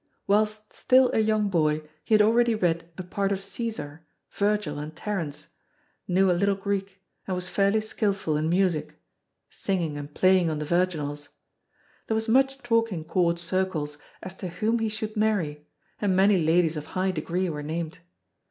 Whilst still a young boy he had already read a part of Cæsar, Virgil and Terence, knew a little Greek, and was fairly skilful in music singing and playing on the virginals. There was much talk in Court circles as to whom he should marry and many ladies of high degree were named.